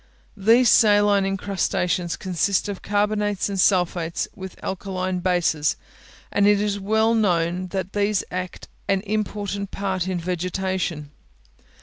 These saline incrustations consist of carbonates and sulphates, with alkaline bases; and it is well known these act an important part in vegetation.